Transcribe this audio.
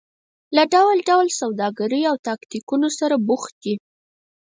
له ډول ډول سوداګریو او تاکتیکونو سره بوخت دي.